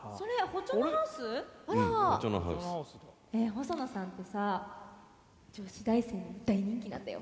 ホソノさんってさ女子大生に大人気なんだよ。